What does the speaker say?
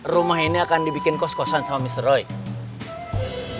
rumah ini akan dibikin kos kosan sama mr roy